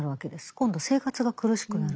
今度生活が苦しくなる。